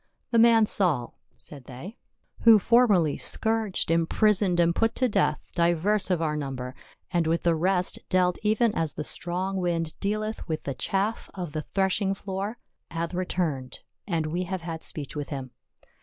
"The man Saul." said they, "who formerly 140 PA UL. scourged, imprisoned, and put to death divers of our number, and with the rest dealt even as the strong wind dealeth with the chaff of the threshing floor, hath returned, and we have had speech with him.